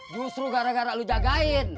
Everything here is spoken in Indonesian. justru gara gara lu jagain